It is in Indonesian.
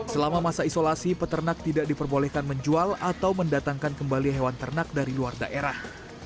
selama masa isolasi peternak tidak diperbolehkan menjual atau mendatangkan kembali hewan ternak dari luar daerah